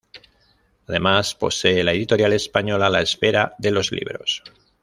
Además posee la editorial española La Esfera de los Libros.